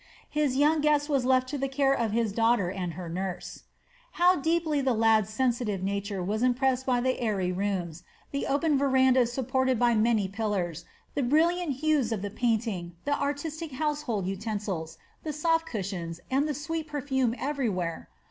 His young guest was left to the care of his daughter and her nurse. How deeply the lad's sensitive nature was impressed by the airy rooms, the open verandas supported by many pillars, the brilliant hues of the painting, the artistic household utensils, the soft cushions, and the sweet perfume everywhere!